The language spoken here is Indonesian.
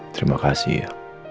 terima kasih ya